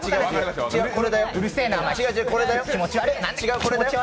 違う、これだよ。